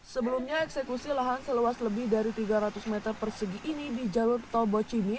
sebelumnya eksekusi lahan seluas lebih dari tiga ratus meter persegi ini di jalur tol bocimi